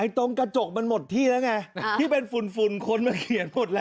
ตรงกระจกมันหมดที่แล้วไงที่เป็นฝุ่นคนมันเขียนหมดแล้ว